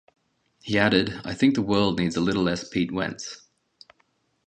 He added: "I think the world needs a little less Pete Wentz".